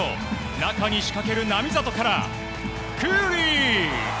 中に仕掛ける並里からクーリー！